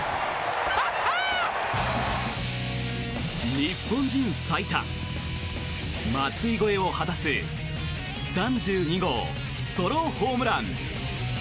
日本人最多松井超えを果たす３２号ソロホームラン。